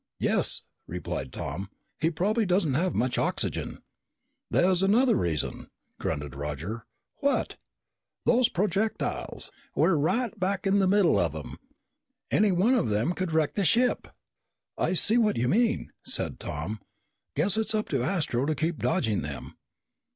"Yes," replied Tom. "He probably doesn't have much oxygen." "There's another reason," grunted Roger. "What?" "Those projectiles. We're right back in the middle of them. Any one of them could wreck the ship." "I see what you mean," said Tom. "Guess it's up to Astro to keep dodging them."